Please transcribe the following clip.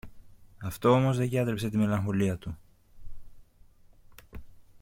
Αυτό όμως δε γιάτρεψε τη μελαγχολία του.